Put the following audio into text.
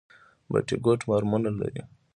بټي کوټ فارمونه لري؟